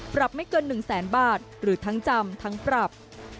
ปรับไม่เกิน๑แสนบาทหรือทั้งจำทั้งปรับ